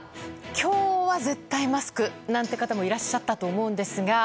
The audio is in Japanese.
今日は絶対マスクなんて方もいらっしゃったと思うんですが。